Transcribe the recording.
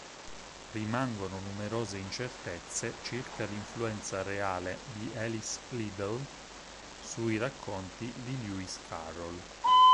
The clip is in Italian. Rimangono numerose incertezze circa l'influenza reale di Alice Liddell sui racconti di Lewis Carroll.